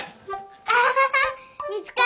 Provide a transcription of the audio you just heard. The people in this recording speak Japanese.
アハハハ見つかった。